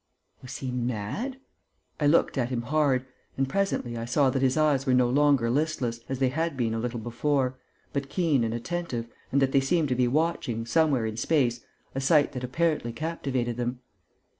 Was he mad? I looked at him hard and, presently, I saw that his eyes were no longer listless, as they had been a little before, but keen and attentive and that they seemed to be watching, somewhere, in space, a sight that apparently captivated them.